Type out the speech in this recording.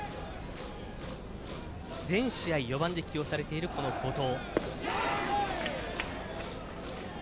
全試合４番で起用されている後藤。